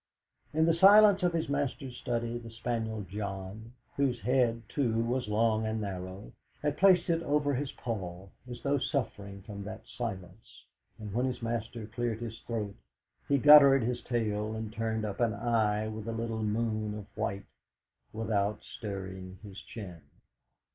In the silence of his master's study the spaniel John, whose head, too, was long and narrow, had placed it over his paw, as though suffering from that silence, and when his master cleared his throat he guttered his tail and turned up an eye with a little moon of white, without stirring his chin.